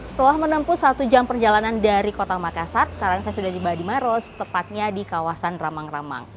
setelah menempuh satu jam perjalanan dari kota makassar sekarang saya sudah tiba di maros tepatnya di kawasan ramang ramang